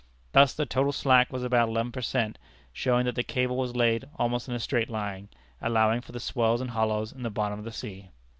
Thus the total slack was about eleven per cent, showing that the cable was laid almost in a straight line, allowing for the swells and hollows in the bottom of the sea.